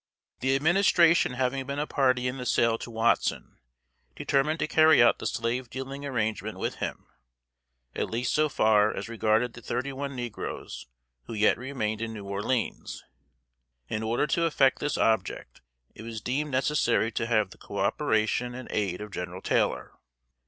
The Administration having been a party in the sale to Watson, determined to carry out the slave dealing arrangement with him; at least so far as regarded the thirty one negroes who yet remained in New Orleans. In order to effect this object, it was deemed necessary to have the coöperation and aid of General Taylor.